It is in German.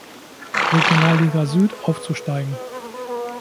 Regionalliga Süd aufzusteigen.